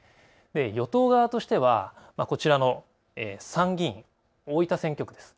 与党側としては、こちらの参議院大分選挙区です。